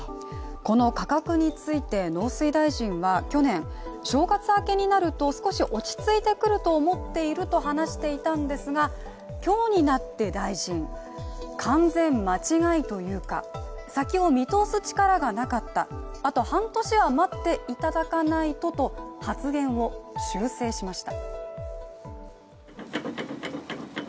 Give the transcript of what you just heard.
この価格について、農水大臣は去年、正月明けになると少し落ち着いてくると思っていると話していたんですが今日になって大臣、完全間違いというか、先を見通す力がなかったあと半年は待っていただかないとと発言を修正しました。